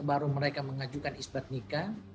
baru mereka mengajukan isbat nikah